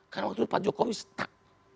karena waktu itu pak jokowi setak